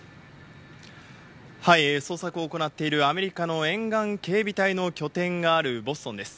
捜索を行っているアメリカの沿岸警備隊の拠点があるボストンです。